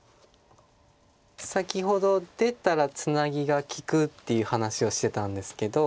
先ほど出たらツナギが利くっていう話をしてたんですけど。